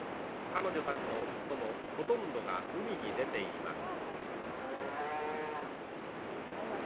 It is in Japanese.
彼女たちの夫もほとんどが海に出ています。